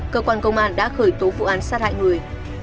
cơ quan công an đã khởi tố vụ án sát hại người